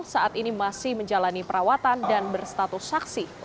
saat ini masih menjalani perawatan dan berstatus saksi